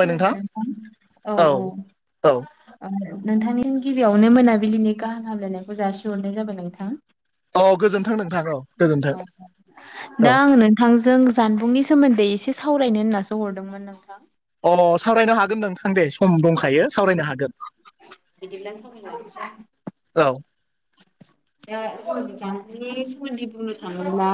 खुलुमबाय नों औ औ औ ओ नोंथांनि गिबियावनो मोनाबिलिनि गाहाम हामलायनायखौ जासिहरनाय जाबाय नोंथां। औ गोजोन्थों नोंथां औ गोजोन्थों औ दा आं नोंथांजों जानबुंनि सोमोन्दै एसे सावरायनो होननासो हरदोंमोन नोंथां। अ सावरायनो हागोन नों थां दे। सम दंखायो सावरायनो हागोन। बिदिब्ला सावरायलायनोसै औ द जानबुंनि सोमोन्दै बुंनो थाङोब्ला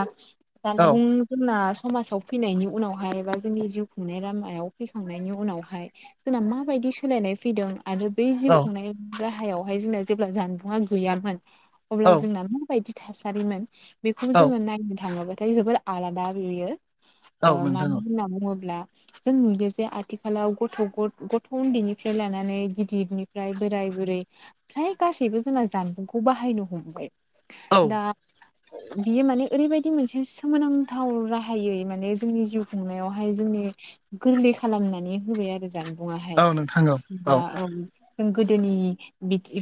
औ जानबुं जोंना समाजाव फैनायनि उनावहाय बा जोंनि जिउ खुंनाय लामायाव फैखांनायनि उनावहाय जोंना माबायदि सोलायनाय फैदों आरो बै जिउ औ खुंनाय राहायावहाय जोंना जेब्ला जानबुंआ गैयामोन अब्ला औ जोंना मा बायदि थासारिमोन बेखौबो औ जोंङो नायनो थाङोबाथाय जबोोर आलादा बेयो। औ ओ नोंथां मानो होनना बुङोब्ला जों नुयो जे आथिखालाव गथ' गथ' उन्दैनिफ्राय लानानै गिदिर ओमफ्राय बोराय बुरै फ्रफ्राय गासैबो जों जानबुंखौ बाहायनो हमबाय औ दा बियो माने ओरैबायदि मोनसे सोमोनांथाव राहायै माने जोंनि जिउ खुंनायावहाय जोंनि गोरलै खालामनानै होबाय आरो जामबुङा हाया औ नोंथां औ औ जों गोनि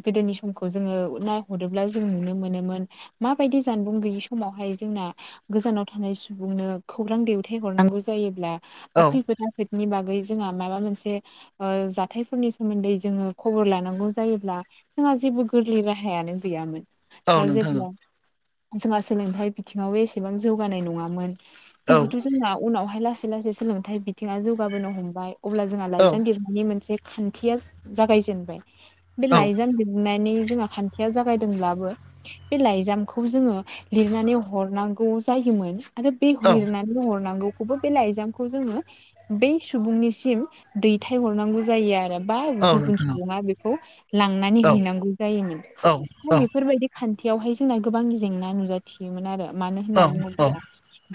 गोदोनि समखौ जोंङो नायहरोब्ला जों नुनो मोनोमोन माबायदि जानबुं गैयि समावहाय जोंना गोजानाव थानाय सुबुंनो खौरां दैवथाय हरनांगौ जायोब्ला बा औ फैफोद फोदनि बागै जोंहा माबा मोनसे ओ जाथायफोरनि सोमोन्दै जोंङो खबर लानांगौ जायोब्ला जोंहा जेबो गोरलै राहायानो गैयामोन औ दा नोंथां औ जेब्ला जोंहा सोलोंथायाइ बिथिङाव एसेबां जौगानाय नङामोन। औ जिहेथु जोंना उनावहाय लासै लासै सोलोंथाइ बिथिङा जौगाबोनो हमबाय अब्ला जोंहा औ लाइजाम लिर मोनसे खान्थिया जागाय जेनबाय बे औ लाइजाम लिरनानै जोंहा खान्थियाव जागायदोंब्लाबो बे लाइजामखौ जोंङो लिरनानै हरनांगौ जायोमोन आरो बे लिरनानै हरनांगौखौबो बे ला एजामखौ जोंङो बै सुबुंनिसिम दैथायहरनांगौ जायो आरो बा औ गुबुन नोंथां औ सुबुंङि बेखौ लांनानै औ हैनांगौ जायोमोन औ दा औ बेफोरबायदि खान्थियावहाय जोंना गोबां जेंना नुजाथियोमोन आरो मानो औ होन्ना बुङोब्ला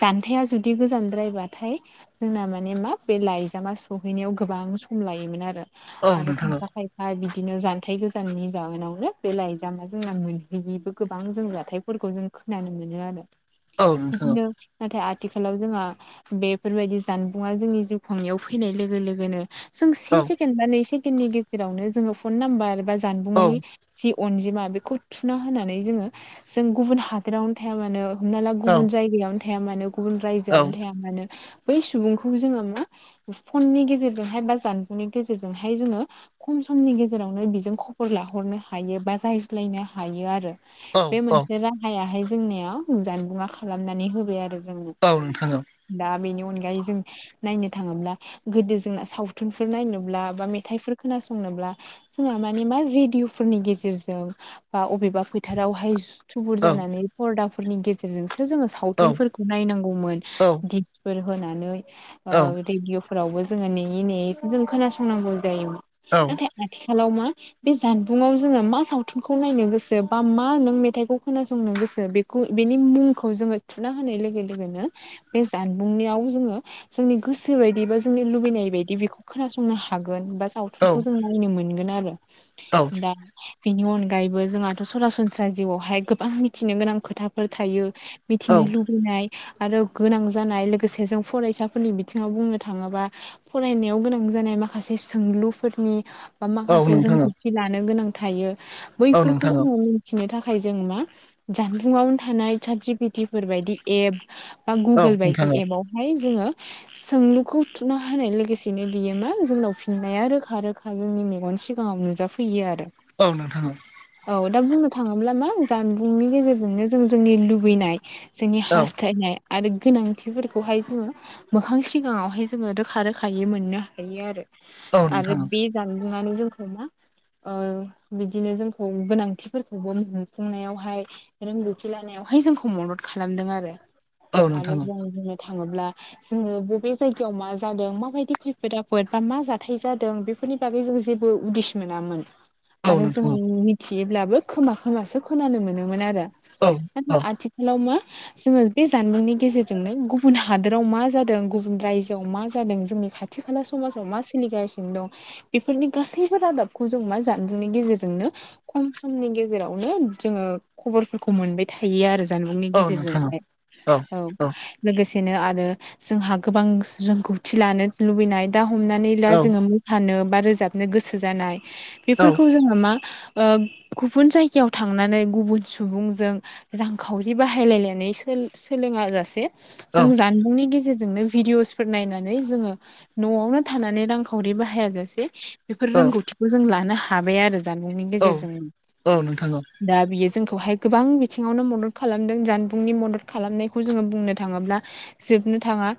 जान्थाया जुदि गोजानद्रायबाथाय जोंना माने मा बे लाइजामा सहैनायाव गोबां सम लायोमोन आरो। आरो नोंथां औ नोंथां औ खायफा खायफा बिदिनो जान्थायाइ गोजाननि जाहोनाव बे लाइजामा जोंना मोनहैयिबो गोबां जों जाथायफोरखौ जों खोनानो मोनो आरो। औ नोंथां औ बिदिनो नाथाय आथिखालाव जोंहा बेफोरबायदि जानबुंआ जोंनि जिउ खांनायाव फैनाय लोगो लोगोनो जों से सेकेण्ड बा नै सेकेण्डनि गेजेरावनो जोंङो फन नाम्बार एबा जानबुंनि जि अनजिमा बेखौ थुना होनानै जोंङो जों गुबुन हादरावनो थाया मानो हमना ला गुबुन जायगायावनो थाया मानो गुबुन औ रायजोआवनो थाया मानो बै सुबुंखौ जोंङो मा फननि गेजेरजोंहाय बा जानबुंनि गेजेरजोंहाय जोंङो खम समनि गेजेरावनो बिजों खबर लाहरनो हायो बा राहायज्लायनो हायो आरो बे औ मोनसे राह हायाहाय जोंनियाव जानबुं खालामनानै होबाय आरो जोंनो। औ नोंथां औ। दा बेनि अनगायै जों नायनो थाङोब्ला गोदो जोंना सावथुनफोर नायनोब्ला बा मेथाइफोर खोनासंनोब्ला सिने मानि मा रेडिअ फोरनि गेजेरजों बा अबेबा फोथारावहाय थुबुर जानानै फरदा फोरनि गेजेरजोंसो जोंङो सावथुनफोरखौ नायनांगौमोन दिपसफोर होनानै। ओ रेडिअ'फोरावबो जोंङो नेयै नेयैसो जों खोनासंनांगौ जायोमोन। नाथाय आथिखलााव मा बे जान बुंङाव जोंङो मा सावथुनखौ नायनो गोसो बा मा नों मेथाइखौ खोनासंनो गोसो बेखौ बेनि मुंखौ जोंङो थुना होनाय लोगो लोगोनो बे जानबुंनियाव जोंङो जोंनि गोसो बायदि बा जोंनि लुबैनाय बायदि बेखौ खोनासंनो हागोन बा साव खौ जों नायनो मोनगोन आरो दा बेनि अनगायैबो जोंहाथ' सरासनस्रा जिउआवहाय गोबां मिथिनो गोनां खोथाफोर थायो। मिथिनो लु फैनाय आरो गोनां जानाय लोगोसे जों फरायसाफोरनि बिथिङाव बुंनो थाङोबा फरायनायाव गोनां जानाय माखासे सोंलुफोरनि बा औ माखासे नोंथां औ रोंगौथि लानो गोनां थायो औ बैफोरखौ नोंथां औ जोंङो खिनो थाखाय जों मा जानबुंआवनो थानाय chat G P T four बायदि एप बा औ गुगोल नोंथां बायदि औ एपावहाय जोंङो सोंलुखौ थुना होनाय लोगोसेनो बियो मा जोंनाव फिननाया रोखा रोखा जोंनि मेगन सिगाङाव नुजाफैयो आरो। औ नोंथा औ। औ दा बुंनो थाङोब्ला मा जानबुंनि गेजेरजोंनो जों जोंनि लुबैनाय जोंनि औ हास्थायनाय आरो गोनांथिफोरखौहाय जोंङो मोखां सिगाङावहाय जोंङो रोखा रोखायै मोननो हायो आरो। औ नोंथां आरो बे जानबुंनो जोंखौ मा? ओ बिदिनो जोंखौ गोनांथिफोरखौबो मोनफुंनायावहाय रोंगौथि लानायावहाय जोंखौ मदद खालामदों आरो औ नोंथां आरो जों बुंनो थाङोब्ला जोंङो बबे जायगायाव मा जादों माबायदि खैफोद आफोद बा मा जाथाय जादों बे बेफोरनि बागै जों जेबो उदिस मोनामोन। औ आरो जों नोंथां मिथियोब्लाबो खोमा खोमासो खोनानो मोनोमोन आरो। औ नाथाय औ आथिखालाव मा जोंङो बे जानबुंनि गेजेरजोंनो गुबुन हादोराव मा जादों गुबुन रायजोआव मा जादों जोंनि खा खाथि खाला समाजाव मा सोलिगासिनो दं बेफोरनि गासैबो रादाबखौ जों मा जानबुंनि गेजेरजोंनो खम समनि गेजेरावनो जोंङो खबरफोरखौ मोनबाय थायो आरो जानबुंनि औ नोंथां गेजेरजोंहाय औ। लोगोसेनो आरो जोंहा गोबां रोंगौथि लानो लुबैनाय दा हमनानै जोंङो मोसानो बा रोजाबनो गोसो जानाय औ बेफोरखौ जोंङो मा। ओ गुबुन जायगायाव थांनानै गुबुन सुबुंजों। रांखावरि बाहायलायनानै सो-सोलोङा जासे जों जानबुंनि गेजेरजोंनो भिडिअ'सफोर नायनानै जोंङो न'आवनो थानानै रांखावरि बाहाया जासे बेफोर रोंगौथिखौ जों लानो हाबाय आरो जानबुंनि गेजेरजों। औ नोंथां औ दा बियो जोंखौहाय गोबां बिथिङावनो मदद खालामदों जानबुंनि मदद खालामनायखौ जोंङो बुंनो थांङोब्ला जोबनो थांङा।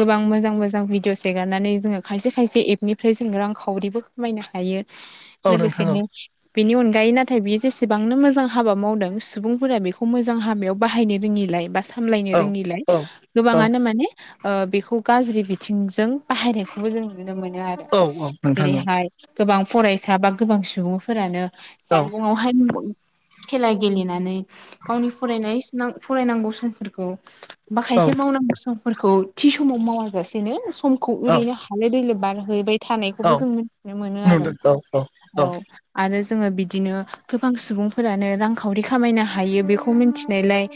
गोबां मोजां मोजां भिडिअ'स एगारनानै जोंङो खायसे खायसे एपनिफ्राय जों रांखावरिबो खामायनो हायो औ नोंथां लोगोसेनो बेनि अनगायै नाथाय बियो जेसेबांनो मोजां हाबा मावदों सुबुंफोरा बेखौ मोजां हाबायाव बाहायनो रोंङिलाय बा सामलायनो औ औ रोंङिलाय। गोबांङानो औ माने ओ बेखौ गाज्रि बिथिंजों बाहायनायखौबो जों नुनो मोनो आरो। औ औ नोंथां औ जेरैहाय गोबां फरायसा बा गोबां सुबुंफोरानो जानबुंआव हाय खेला गेलेनानै गावनि फरायनाय फरायनांगौ समफोरखौ। औ माखायसे मावनांगौ समफोरखौ थि समाव मावाजासेनो समखौ ओरैनो औ हालो दैलो बारहैबाय थानायखौबो औ जों मिथिनो मोनो आरो। औ नुदों औ। औ आरो जोंङो बिदिनो- गोबां सुबुंफोरानो रांखावरि खामायनो हायो बेखौ मिथिनायलाय।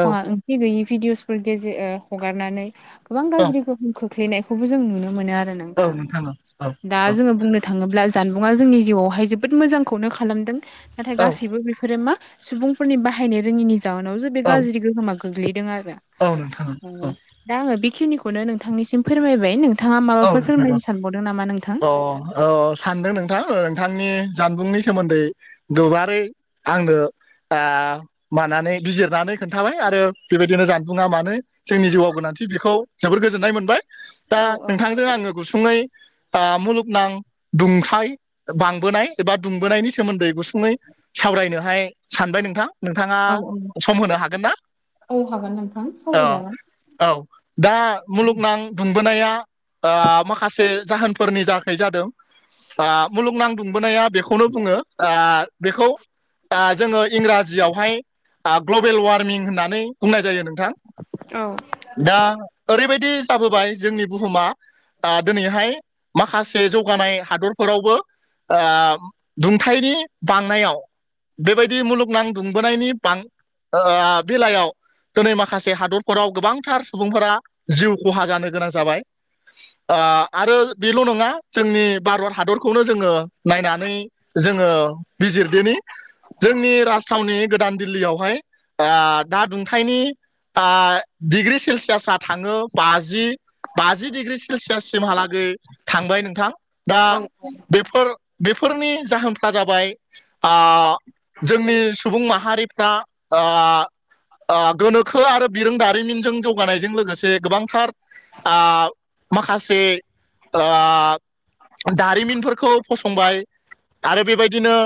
औ ओंथि गैयि भिडिअसफोर गेजेर ओ हगारनानै गोबां औ गाज्रि गोहोमखौ खोख्लैनायखौबो जों नुनो मोनो आरो ना। औ नोंथां औ। दा जोङो बुंनो थाङोब्ला जानबुंआ जोंनि जिउआवहाय जोबोद मोजांखौनो खालामदों। नाथाय औ गासैबो बेफोरो मा सुबुंफोरनि बाहायनाय रोंङिनि जाहोनाव बे गाज्रि गोहोमा गोग्लैदों आरो औ नोंथां औ दा आंङो बेखिनिखौनो नोंथांनिसिम फोरमायबाय नोंथां। नोंथाङा औ माबाफोर नोंथां औ फोरोंलायनो सानबावदों नामा नोंथां? अ औ सानदों नोंथां नोंथांनि जानबुंनि सोमोन्दै गोबारै आंनो आ मानानै बिजुिरनानै खोन्थाबाय आरो। बेबायदिनो जानबुंङा मानो जोंनि जिउआव गोनांथि बेखौ जोबोर गोजोननाय मोनबाय दा। औ आङो गुसुंङै बा मुलुगनां दुंथाइ बांबोनाय एबा दुंबोनायनि सोमोन्दै गुसुङै सावरायनोहाय सानबाय नोंथां, नोंथाङा औ सम होनो हागोन ना? औ हागोन नोंथां औ सावरायजागोन औ दा मुलुगनां दुंबोनाया ओ माखासे जाहोनफोरनि जाखाय जादों। ओ मुलुगनां दुंबोनाया बेखौनो बुंङो ओ बेखौ ओ जोंङो इंराजियावहाय ओ ग्लबेल वार्मिं होननानै बुंनाय जायो नोंथां। औ दा ओरैबायदि जाबोबाय जोंनि बुहुमा आ दिनैहाय माखासे जौगानाय हादरफोरावबो ओ दुंथायनि बांनायाव बेबायदि मुलुगनां दुंबोनायनि बां ओ बेलायाव दिनै माखासे हादरफोराव गोबांथार सुबुंफोरा जिउ खहा जानो गोनां जाबाय। ओ आरो बेल' नंङा जोंनि भारत हादरखौनो जोंङो नायनानै जोंङो बिजिरदिनि जोंनि राजथावनि गोदान दिल्लीयावहाय ओ दा दुंथाइनि ओ डिग्रि सेलसियासा थांङो बाजि बाजि डिग्रि सेलसियाससिमहालागै थांबाय नोंथां दा बेफोर बेफोरनि जाहोनफ्रा जाबाय। आ जोंनि सुबुं माहारिफ्रा आ आ गोनोखो आरो बिरोंदारिमिनजों जौगानायजों लोगोसे गोबांथार आ माखासे आ दारिमिनफोरखौ फसंबाय आरो बेबायदिनो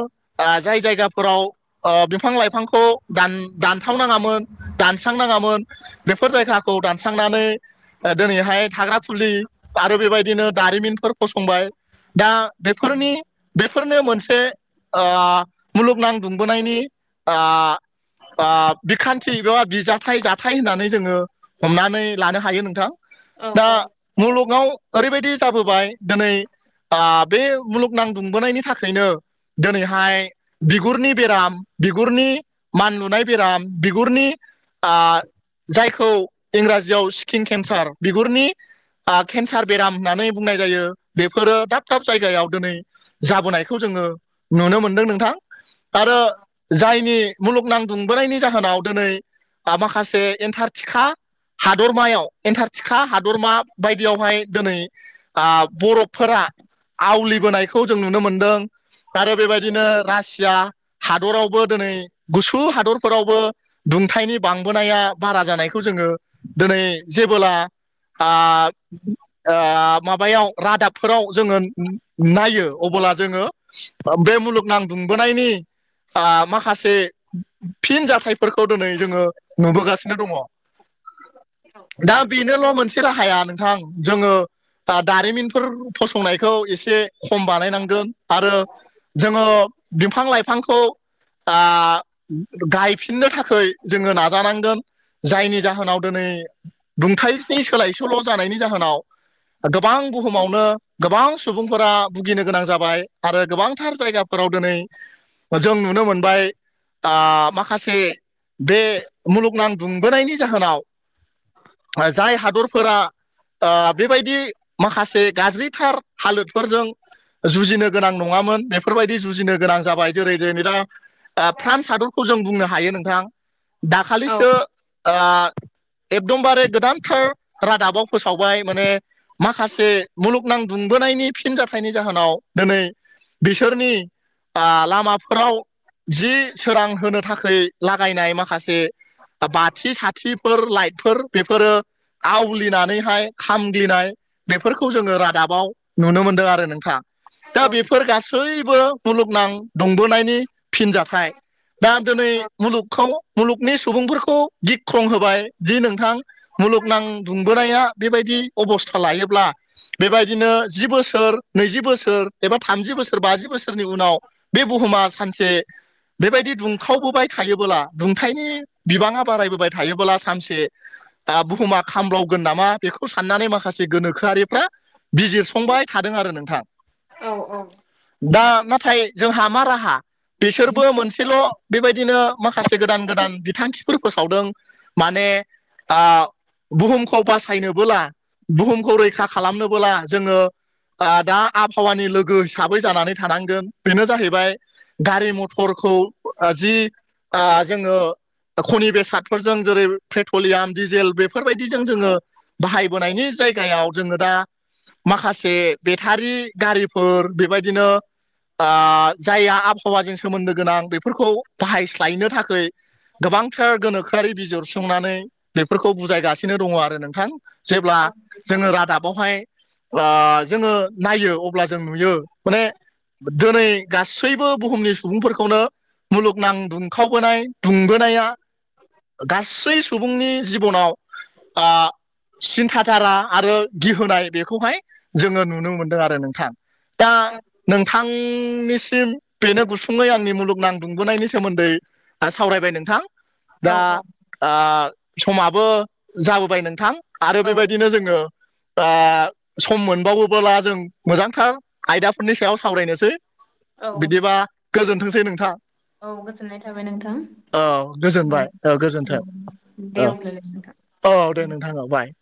आ जाय जायगाफोराव ओ बिफां लाइफांखौ दान-दानथावनाङामोन दानस्रांनाङामोन बेफोर जायगाखौ दानस्रांनानै दोनैहाय थाग्रा खुलि आरो बेबायदिनो दारिमिनफोर फसंबाय। दा बेफोरनि बेफोरनो मोनसे आ मुलुगनां दुंबोनायनि आ आ बिखान्थि एबा बिजाथाय जाथाय होननानै जोङो हमनानै लानो हायो नोंथां। दा मुलुगाव ओरैबायदि जाबोबाय दिनै आ बे मुलुगनां दुंबोनायनि थाखायनो दोनैहाय बिगुरनि बेराम बिगुरनि मानलुनाय बेराम बिगुरनि आ जायखौ इंराजियाव स्किन केन्सार बिगुरनि आ केन्सार बेराम होननानै बुंनाय जायो। बेफोरो दाब दाब जायगायाव दिनै जाबोनायखौ जोङो नुनो मोनदों नोंथां आरो जायनि मुलुगनां दुंबोनायनि जाहोनाव दोनै बा माखासे एन्थारटिखा हादरमायाव एन्थार थिखा हादरमा बायदियावहाय दोनै आ बरबफोरा आवलिबोनायखौ जों नुनो मोनदों आरो बेबायदिनो रासिया हादरावबो दोनै गुसु हादरफोरावबो दुंथायनि बांबोनाया बारा जानायखौ जोङो दोनै जेबोला आ आ माबायाव रादाबफोराव जोङो नायो अबोला जोङो ओ बे मुलुगनां दुंबोनायनि आ माखासे फिनजाथायफोरखौ दोनै जोङो नुबोगासिनो दङ। दा बेनोल' मोनसे राहाया नोंथां जोङो आ दा दारिमिनफोर फसंनायखौ एसे खम बानायनांगो। आरो जोङो बिफां लाइफांखौ आ गायफिननो थाखै जोङो नाजानांगोन। जायनि जाहोनाव दोनै दुंथायनि सोलाय सोल' जानायनि जाहोनाव गोबां बुहुमावनो गोबां सुबुंफोरा भुगिनो गोनां जाबाय आरो गोबांथार जायगाफोराव दोनै जों नुनो मोनबाय आ माखासे बे मुलुगनां दुंबोनायनि जाहोनाव जाय हादरफोरा आ बेबायदि माखासे गाज्रिथार हालोदफोरजों जुजिनो गोनां नङामोन बेफोरबायदि जुजिनो गोनां जाबाय जेरै जोंनि दा आ फ्रान्स हादरखौ जों बुंनो हायो नोंथां औ दाखालिसो आ एकदमबारे गोदानथार रादाबाव फोसावबाय माने माखासे मुलुगनां दुंबोनायनि फिन जाथायनि जाहोनाव दिनै बिसोरनि आ लामाफोराव जि सोरां होनो थाखाय लागायनाय माखासे बाथि साथिफोर लाइटफोर बेफोरो आवलिनानैहाय खामग्लिनाय बेफोरखौ जोङो रादाबाव नुनो मोनदों आरो नोंथां दा बे फोर गासैबो मुलुगनां दुंबोनायनि फिनजाथाय। दा दिनै मुलुगखौ मुलुगनि सुबुंफोरखौ गिख्रं होबाय दि नोंथां मुलुगनां दुंबोनाया बेबायदि अबस्था लायोब्ला बेबायदिनो जि बोसोर नैजि बोसोर एबा थामजि बोसोर बाजि बोसोरनि उनाव बे बुहुमा सानसे बेबायदि दुंखावबोबाय थायोबोब्ला दुंथायनि बिबाङा बारायबोबाय थायोबोब्ला सानसे आ बुहुमा खामब्लावगोन नामा बेखौ साननानै माखासे गोनोखोआरिफ्रा बिजिरसंबाय थादों आरो नोंथां औ औ दा नाथाय जोंहा मा राहा बेसोरबो मोनसेल' बेबायदिनो माखासे गोदान गोदान बिथांखिफोर फोसावदों माने आ बुहुमखौ बासायनोबोला बुहुमखौ रैखा खालामनोबोला जोङो आ दा आबहावानि लोगो हिसाबै जानानै थानांगोन बेनो जाहैबाय गारि मथरखौ जि आ जोङो खनि बेसादफोरजों जेरै पेट्रलियाम डिजेल बेफोरबायदिजों जोङो बाहायबोनायनि जायगायाव जोङो दा माखासे बेटारि गारिफोर बेबायदिनो आ जायहा आबहावाजों सोमोन्दो गोनां बेफोरखौ बाहायस्लायनो थाखै गोबां थार गोनोखोयारि बि जर संनानै बेफोरखौ बुजायगासिनो दङ आरो नोंथां जेब्ला जोङो रादाब बावहाय आ जोङो नायो अब्ला जों नुयो माने दोनै गासैबो बुहुमनि सुबुंफोरखौनो मुलुगनां दुंखावबोनाय दुंबोनाया [unintelligible] गासै सुबुंनि जिबनाव आ सिन्था थारा आरो गिहोनाय बेखौहाय जोङो नुनो मोनदों आरो नोंथां दा नोंथांनिसिम बेनो गुसुङै आंनि मुलुगनां दुंबोनायनि सोमोन्दै सावरायबाय नोंथां औ दा आ समाबो जाबोबाय नोंथां आरो औ बेबायदिनो जोङो आ सम मोनबावोबोला जों मोजांथार आयदाफोरनि सायाव सावरायनोसै औ बिदिबा गोजोनथोंसै नोंथां औ गोजोननाय थाबाय औ नोंथां औ गोजोनबाय गोजोन्थों [unintelligible] दे अब्लालाय नोंथां [unintelligible] ह'बाय